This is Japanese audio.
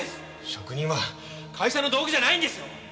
職人は会社の道具じゃないんですよ！